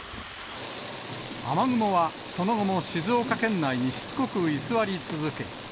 雨雲はその後も静岡県内にしつこく居座り続け。